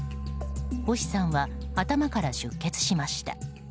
星さんは頭から出血しました。